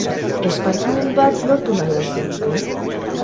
Espartinen bat lortu nahi al zenuke?